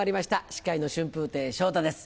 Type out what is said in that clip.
司会の春風亭昇太です